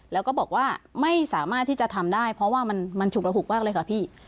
แล้วก็บอกว่าไม่สามารถที่จะทำได้เพราะว่ามันฉุกระหุกมากเลยค่ะพี่